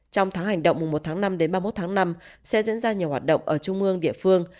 trong tháng hành động mùa một tháng năm đến ba mươi một tháng năm sẽ diễn ra nhiều hoạt động ở trung ương địa phương